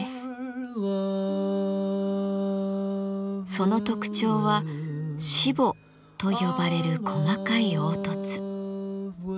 その特徴はしぼと呼ばれる細かい凹凸。